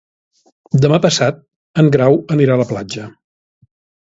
Demà passat en Grau anirà a la platja.